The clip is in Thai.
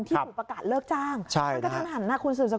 ที่ถูกประกาศเลิกจ้างเป็นกระทันหันคุณสุดสกุล